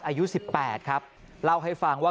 อายุ๑๘ครับเล่าให้ฟังว่า